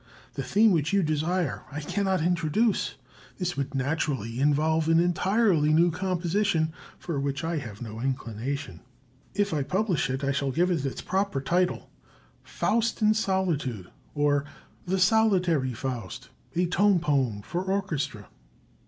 The theme which you desire I cannot introduce. This would naturally involve an entirely new composition, for which I have no inclination. If I publish it, I shall give it its proper title, 'Faust in Solitude,' or 'The Solitary Faust: a Tone Poem for Orchestra.'"